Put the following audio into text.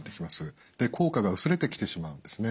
効果が薄れてきてしまうんですね。